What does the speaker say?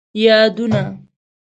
یادونه: